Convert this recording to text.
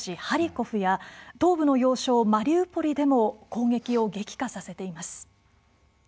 ハリコフや東部の要衝マリウポリでも攻撃を激化させています。